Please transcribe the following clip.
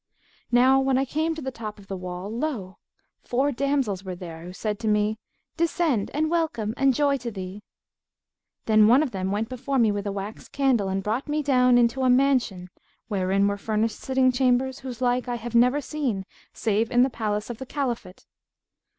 Now when I came to the top of the wall; lo! four damsels were there, who said to me, 'Descend and welcome and joy to thee!' Then one of them went before me with a wax candle and brought me down into a mansion, wherein were furnished sitting chambers, whose like I had never seen save in the palace of the Caliphate.